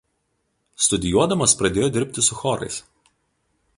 Studijuodamas pradėjo dirbti su chorais.